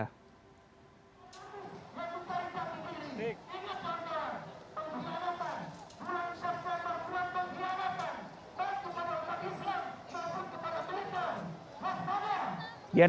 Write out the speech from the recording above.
pembiayaan berhubungan terhadap perbuatan pembayaran dan kemampuan islam selalu kepada perintah hak pahala